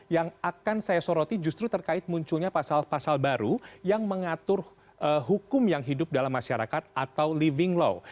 yang akan saya soroti justru terkait munculnya pasal pasal baru yang mengatur hukum yang hidup dalam masyarakat atau living law